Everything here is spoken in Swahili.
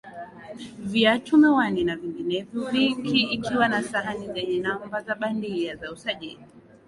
Viatumiwani na vinginevyo vingi ikiwa na sahani zenye namba za bandia za usajili